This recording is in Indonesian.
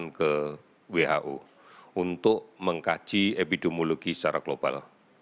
dan ke who untuk mengkaji epidemiologi secara global